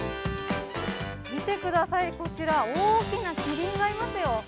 見てください、こちら大きなキリンがいますよ。